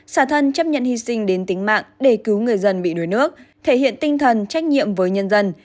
xả thân chấp nhận hy sinh đến tính mạng để cứu người dân bị đuối nước thể hiện tinh thần trách nhiệm với nhân dân